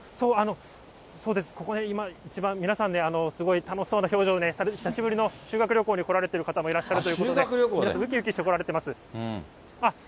そうです、ここ、一番、皆さんね、すごい楽しそうな表情をされて、久しぶりの修学旅行に来られてる方もいらっしゃるということで、皆さん、うきうきして来られています。